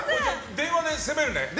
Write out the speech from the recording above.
電話で攻めるね。